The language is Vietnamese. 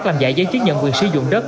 làm giải giấy chứng nhận quyền sử dụng đất